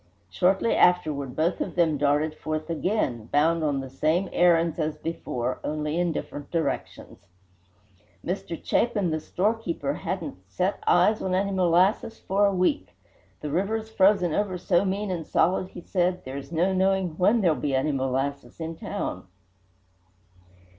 Shortly afterward both of them darted forth again, bound on the same errands as before, only in different directions. Mr. Chapin, the storekeeper, hadn't "set eyes on any molasses for a week. The river's frozen over so mean and solid," he said, "there's no knowing when there'll be any molasses in town."